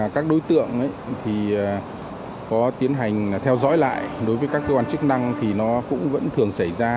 các đối tượng thì có tiến hành theo dõi lại đối với các cơ quan chức năng thì nó cũng vẫn thường xảy ra